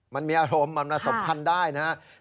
มันมีอารมณ์มันผสมพันธ์ได้นะครับ